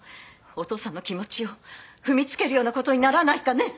お父さんの気持ちを踏みつけるような事にならないかね？